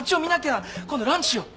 今度ランチしよう